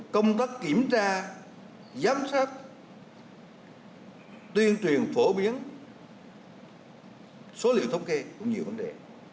công tác kiểm tra giám sát tuyên truyền phổ biến số liệu thống kê cũng nhiều vấn đề